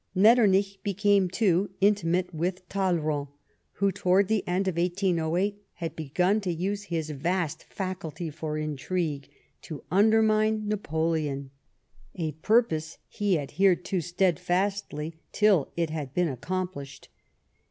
Metternich became, too, intimate with Talleyrand, who, towards the end of 1808, had begun to use his vast faculty for intrigue to undermine Napoleon — a purpose he adhered to steadfastly till it had been accomplished.